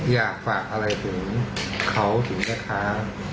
อยากฝากอะไรถึงเขาถึงแม่ค้า